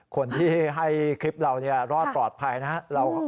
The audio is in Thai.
คนที่ให้คลิปเรารอดปลอดภัยนะครับ